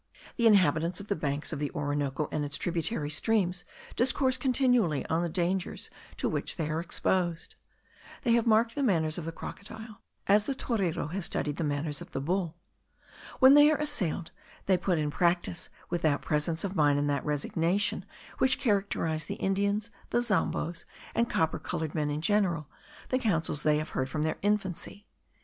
The inhabitants of the banks of the Orinoco and its tributary streams discourse continually on the dangers to which they are exposed. They have marked the manners of the crocodile, as the torero has studied the manners of the bull. When they are assailed, they put in practice, with that presence of mind and that resignation which characterize the Indians, the Zamboes, and copper coloured men in general, the counsels they have heard from their infancy.